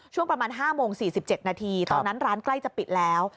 ช่วงประมาณ๕โมง๔๗นาทีตอนนั้นร้านใกล้จะปิดแล้ว